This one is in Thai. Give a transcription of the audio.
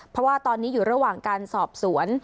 เพราะว่าตอนนี้อยู่ระหว่างการสอบสวน